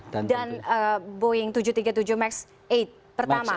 dan boeing tujuh ratus tiga puluh tujuh max delapan pertama